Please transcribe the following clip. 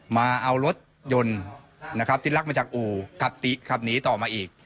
มาเอารถจักรยนต์นะครับฆ่าระลักมาจากอู่กลับหนีต่อมาอีก